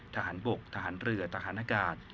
ทหารบกทหารเรือทหารอากาศ